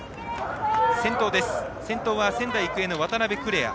先頭は仙台育英の渡邉来愛。